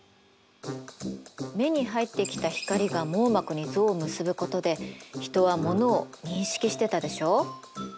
目に入ってきた光が網膜に像を結ぶことで人はモノを認識してたでしょう？